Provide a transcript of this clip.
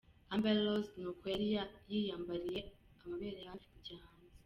Amber Rose ni uko yari yiyambariye amabere hafi kujya hanze.